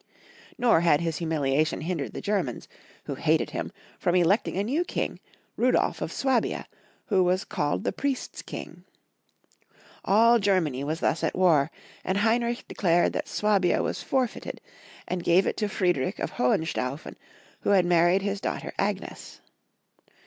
Nor had his humiliation hindered the Germans, who hated him, from electing a new king, Rudolf of Swabia, who was called the Priests' King. All Germany was thus at war, and Heinrich declared that Swabia was forfeited, and gave it to Friedrich of Hohen staufen, who had married his daughter Agnes.